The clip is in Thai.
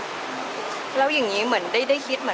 การประหลาดเอาเงินมาใช้จ่ายของคือ